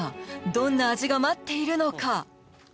どんな味が待っているのか？